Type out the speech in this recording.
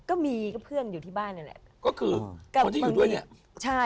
ก็มีก็เพื่อนอยู่ที่บ้านเนี่ยแหละ